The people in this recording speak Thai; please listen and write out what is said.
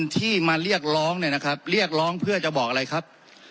ที่มาเรียกร้องเนี่ยนะครับเรียกร้องเพื่อจะบอกอะไรครับ